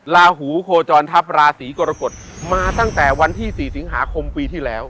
ลาหูโคจรทัพราศีกรกฎมาตั้งแต่วันที่๔สิงหาคมปีที่แล้ว